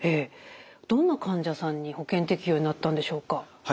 どんな患者さんに保険適用になったんでしょうか？